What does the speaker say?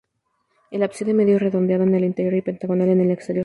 El ábside medio es redondeado en el interior y pentagonal en el exterior.